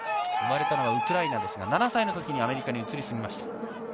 生まれたのはウクライナですが７歳のときにアメリカに移り住みました。